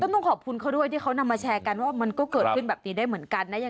ต้องขอบคุณเขาด้วยที่เขานำมาแชร์กันว่ามันก็เกิดขึ้นแบบนี้ได้เหมือนกันนะ